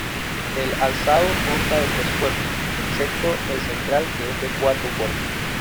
El alzado consta de tres cuerpos, excepto el central que es de cuatro cuerpos.